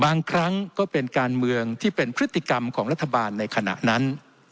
ครั้งก็เป็นการเมืองที่เป็นพฤติกรรมของรัฐบาลในขณะนั้น